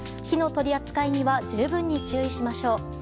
火の取り扱いには十分に注意しましょう。